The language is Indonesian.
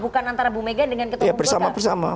bukan antara bu mega dengan ketua umum ya bersama sama